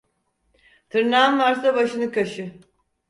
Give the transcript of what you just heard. Tırnağın varsa başını kaşı.